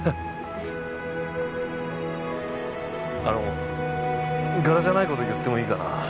あの柄じゃないこと言ってもいいかな？